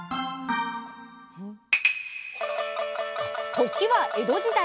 時は江戸時代。